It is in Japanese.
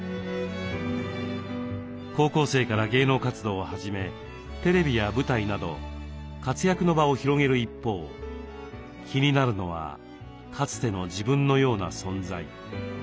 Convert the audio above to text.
高校生から芸能活動を始めテレビや舞台など活躍の場を広げる一方気になるのはかつての自分のような存在。